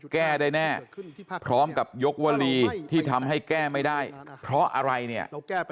แก้ได้แน่พร้อมกับยกวลีที่ทำให้แก้ไม่ได้เพราะอะไรเนี่ย